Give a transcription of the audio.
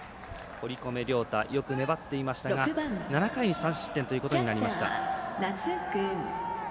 堀米涼太、よく粘っていましたが７回に３失点ということになりました。